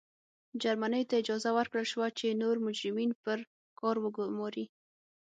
مجرمینو ته اجازه ورکړل شوه چې نور مجرمین پر کار وګوماري.